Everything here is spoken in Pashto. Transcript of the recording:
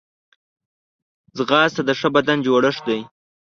ځغاسته د ښه بدن جوړښت دی